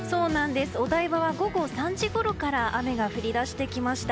お台場は午後３時ごろから雨が降り出してきました。